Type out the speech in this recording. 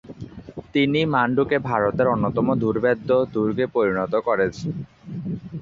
তিনিই মান্ডুকে ভারতের অন্যতম দুর্ভেদ্য দুর্গে পরিণত করেন।